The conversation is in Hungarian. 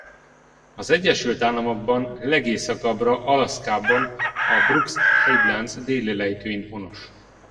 Az Egyesült Államokban legészakabbra Alaszkában a Brooks hegylánc déli lejtőin honos.